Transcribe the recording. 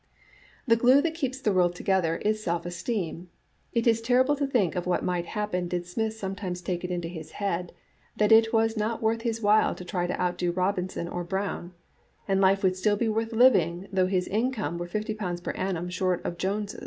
" The glue that keeps the world together is self es teem. It is terrible to think of what might happen did Smith sometimes take it into his head that it was not worth his while to try to outdo Robinson or Brown, and life would still be worth living though his income were fifty pounds per annum short of Jones'."